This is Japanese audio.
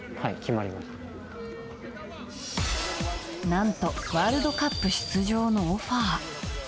何とワールドカップ出場のオファー。